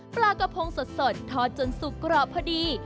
ปลากระพงสดทอดจนสุกกรอบพอดี